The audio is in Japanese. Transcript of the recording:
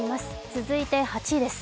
続いて８位です。